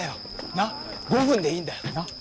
なっ５分でいいんだよ。